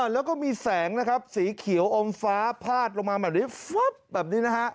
แล้วก็มีแสงสีเขียวอมฟ้าพาดลงมาแบบนี้